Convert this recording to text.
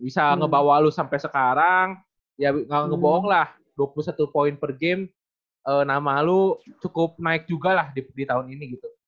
bisa ngebawa lu sampai sekarang ya nggak ngebong lah dua puluh satu poin per game nama lo cukup naik juga lah di tahun ini gitu